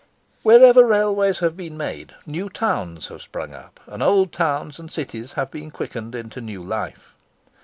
Wherever railways have been made, new towns have sprung up, and old towns and cities been quickened into new life.